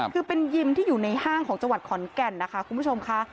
คือเป็นยิมที่อยู่ในห้างของจังหวัดขอนแก่นนะคะคุณผู้ชมค่ะ